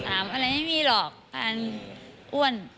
อะไรไม่มีหรอกทานอ้วน